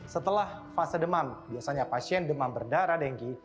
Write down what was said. setelah fase demam biasanya pasien demam berdarah dengki